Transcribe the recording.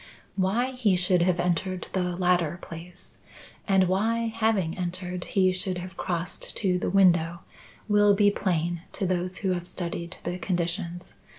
"Why he should have entered the latter place, and why, having entered he should have crossed to the window, will be plain to those who have studied the conditions.